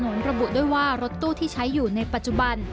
แล้วจะมีความระบุด้วยว่ารถตู้ที่ใช้ในปัจจุบัน